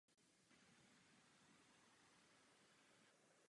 Zdrojnice Opavy pramení v Hrubém Jeseníku a stékají se ve Vrbna pod Pradědem.